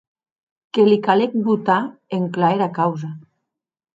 Que li calec botar en clar era causa.